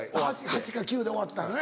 ８か９で終わったんよね